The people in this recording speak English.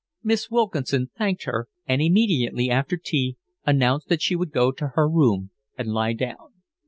Miss Wilkinson thanked her, and immediately after tea announced that she would go to her room and lie down.